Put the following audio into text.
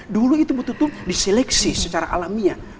dulu itu betul betul diseleksi secara alamiah